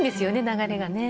流れがね。